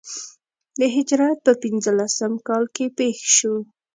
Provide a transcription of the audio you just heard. د هجرت په پنځه لسم کال کې پېښ شو.